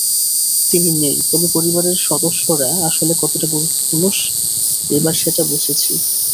তিনি নেই, তবে পরিবারের সদস্যরা আসলে কতটা গুরুত্বপূর্ণ, এবার সেটা বুঝেছি।